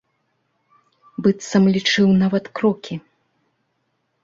Быццам лічыў нават крокі.